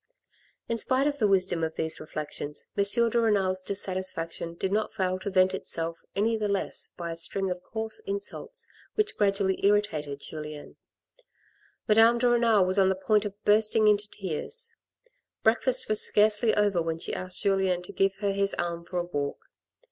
In spite of the wisdom of these reflections, M. de Renal's dissatisfaction did not fail to vent itself any the less by a string of coarse insults which gradually irritated Julien. Madame de Renal was on the point of bursting into tears. Breakfast was scarcely over, when she asked Julien to give her his arm for a walk.